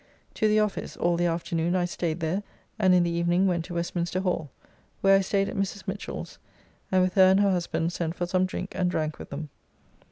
To the office, all the afternoon I staid there, and in the evening went to Westminster Hall, where I staid at Mrs. Michell's, and with her and her husband sent for some drink, and drank with them.